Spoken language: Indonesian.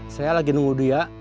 saya lagi nunggu dia